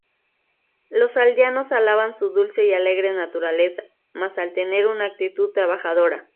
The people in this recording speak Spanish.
Los aldeanos alaban su dulce y alegre naturaleza, mas al tener una actitud trabajadora.